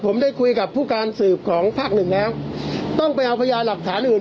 ผมได้คุยกับผู้การสืบของภาคหนึ่งแล้วต้องไปเอาพยานหลักฐานอื่น